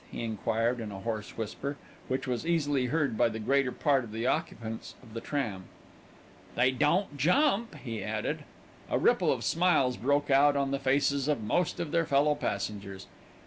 he enquired in a hoarse whisper, which was easily heard by the greater part of the occupants of the tram. "They don't jump," he added. A ripple of smiles broke out on the faces of most of their fellow passengers.